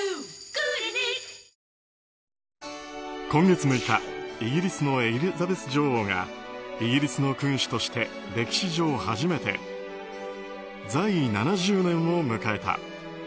今月６日イギリスのエリザベス女王がイギリスの君主として歴史上初めて在位７０年を迎えた。